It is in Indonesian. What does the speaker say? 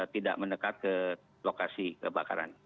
tidak mendekat ke lokasi kebakaran